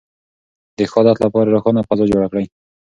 د ښه عادت لپاره روښانه فضا جوړه کړئ.